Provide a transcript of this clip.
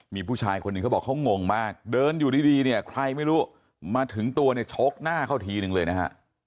มีผู้ชายคนหนึ่งเขาบอกเขางงมากเดินอยู่ดีเนี่ยใครไม่รู้มาถึงตัวเนี่ยชกหน้าเขาทีนึงเลยนะฮะ